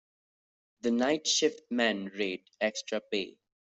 The night shift men rate extra pay.